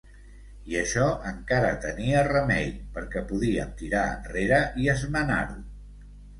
I això encara tenia remei, perquè podíem tirar enrere i esmenar-ho.